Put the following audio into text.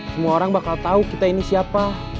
semua orang bakal tahu kita ini siapa